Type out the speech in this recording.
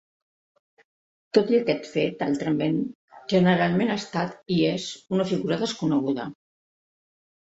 Tot i aquest fet, altrament, generalment ha estat i és una figura desconeguda.